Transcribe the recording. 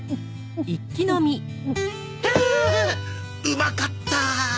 うまかったあ！